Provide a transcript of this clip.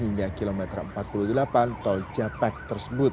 hingga kilometer empat puluh delapan tol japek tersebut